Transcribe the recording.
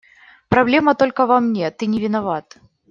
Проблема только во мне, ты не виноват.